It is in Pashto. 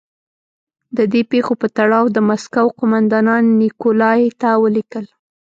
د دې پېښو په تړاو د مسکو قومندان نیکولای ته ولیکل.